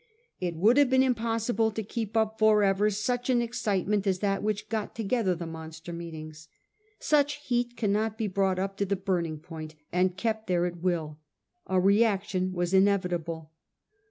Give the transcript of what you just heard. It would have been impossible to keep up for ever such an excitement as that which got together the monster meetings. Such heat cannot be brought up to the burning point and kept there at will. A reaction was inevitable.